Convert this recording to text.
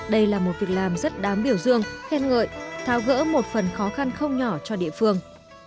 đây là một việc làm rất đám biểu dương khen ngợi tháo gỡ một phần khó khăn không nhỏ cho địa phương